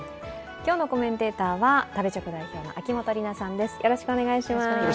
今日のコメンテーターは食べチョク代表の秋元里奈さんです。